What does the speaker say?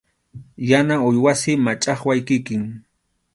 Yana uywasi, machʼaqway kikin.